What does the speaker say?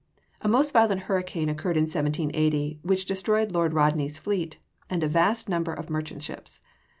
A most violent hurricane occurred in 1780, which destroyed Lord Rodney's fleet, and a vast number of merchant ships.